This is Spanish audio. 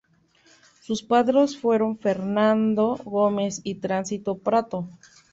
Sus padres fueron Fernando Gómez y Tránsito Prato.